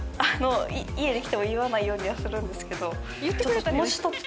家に来ても言わないようにはするんですけど。